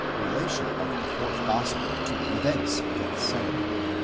RELATION OF THE FOURTH GOSPEL TO THE EVENTS IN GETHSEMANE.